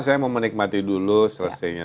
saya mau menikmati dulu selesainya